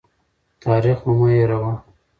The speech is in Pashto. تاریخ مو مه هېروه.